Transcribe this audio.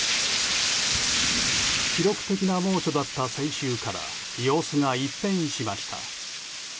記録的な猛暑だった先週から様子が一変しました。